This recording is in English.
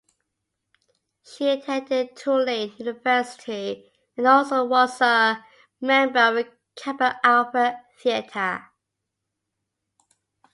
She attended Tulane University and also was a member of Kappa Alpha Theta.